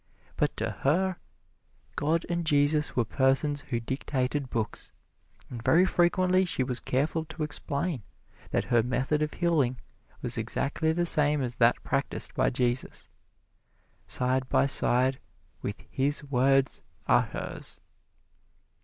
But to her, God and Jesus were persons who dictated books, and very frequently she was careful to explain that her method of healing was exactly the same as that practised by Jesus. Side by side with His words are hers.